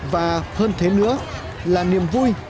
và hơn thế nữa là niềm vui